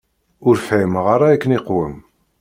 Ur fhimeɣ ara akken iqwem.